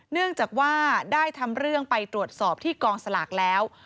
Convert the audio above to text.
เนื่องจากว่าได้ทำเรื่องไปตรวจสอบที่กองสลากแล้ว